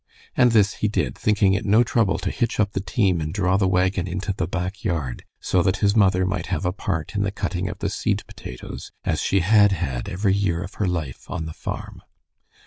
And this he did, thinking it no trouble to hitch up the team to draw the wagon into the back yard so that his mother might have a part in the cutting of the seed potatoes, as she had had every year of her life on the farm.